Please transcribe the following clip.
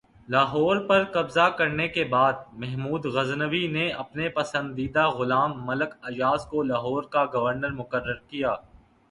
لاہور پر قبضہ کرنے کے بعد محمود غزنوی نے اپنے پسندیدہ غلام ملک ایاز کو لاہور کا گورنر مقرر کیا